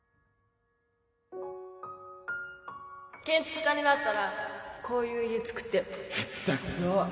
建築家になったらこういう家造ってよ